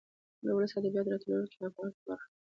د ولسي ادبياتو راټولو که هغه په هره برخه کې وي.